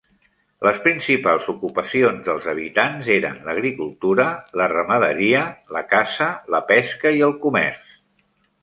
Les principals ocupacions dels habitants eren l'agricultura, la ramaderia, la caça, la pesca i el comerç.